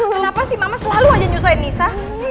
kenapa sih mama selalu aja nyusulin nisa